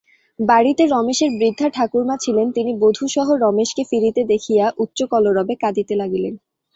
বাড়িতে রমেশের বৃদ্ধা ঠাকুরমা ছিলেন, তিনি বধূসহ রমেশকে ফিরিতে দেখিয়া উচ্চকলরবে কাঁদিতে লাগিলেন।